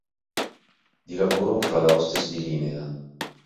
Di lavoro fa la hostess di linea.